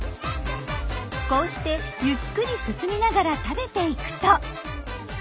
こうしてゆっくり進みながら食べていくと。